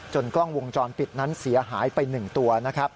จนกล้องวงจรปิดนั้นเสียหายไป๑ตัว